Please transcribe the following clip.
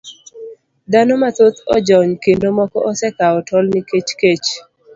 Dhano mathoth ojony kendo moko osekawo tol nikech kech.